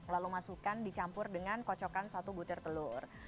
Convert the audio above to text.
lalu masukkan dicampur dengan kocokan satu butir telur